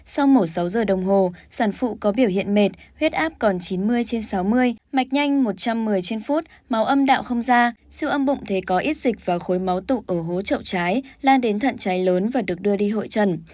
sau mổ sáu giờ đồng hồ sản phụ có biểu hiện mệt huyết áp còn chín mươi trên sáu mươi mạch nhanh một trăm một mươi trên phút màu âm đạo không ra siêu âm bụng thế có ít dịch và khối máu tụ ở hố trậu trái lan đến thận cháy lớn và được đưa đi hội trần